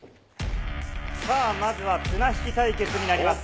さあ、まずは綱引き対決になります。